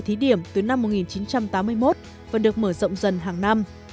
thí điểm từ năm một nghìn chín trăm tám mươi một và được mở rộng dần hàng năm